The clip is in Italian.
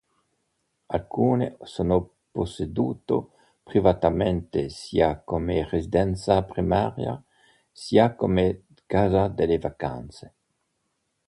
Alcune sono possedute privatamente sia come residenza primaria sia come casa delle vacanze.